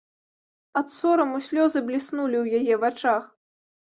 Ад сораму слёзы бліснулі ў яе вачах.